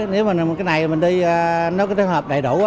nếu mà cái này mình đi nó có trường hợp đầy đủ